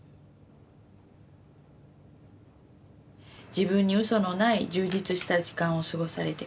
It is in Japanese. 「自分に嘘のない充実した時間を過ごされて下さい。